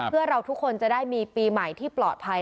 เพื่อเราทุกคนจะได้มีปีใหม่ที่ปลอดภัย